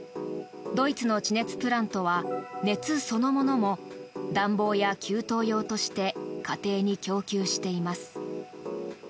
ドイツの地熱プラントは熱そのものも暖房や給湯用として家庭に供給しています。